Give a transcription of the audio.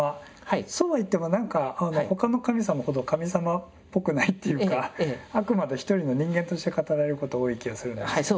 そうは言っても何か他の神様ほど神様っぽくないっていうかあくまで一人の人間として語られること多い気がするんですけど。